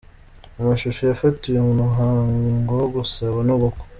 Amashusho yafatiwe mu muhango wo gusaba no gukwa.